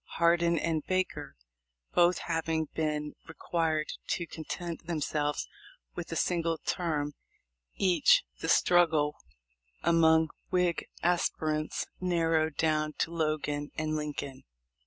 Hardin and Baker both having been required to content themselves with a single term each, the struggle among Whig aspirants narrowed down to Logan and Lincoln.